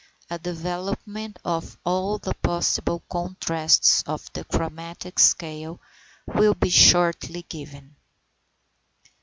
A development of all the possible contrasts of the chromatic scale will be shortly given.